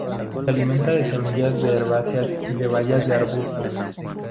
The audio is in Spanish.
Se alimenta de semillas de herbáceas y de bayas de arbustos.